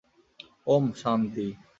ওম, - শান্তি।